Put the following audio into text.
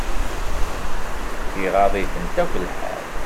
Iɣaḍ-iten akk lḥal.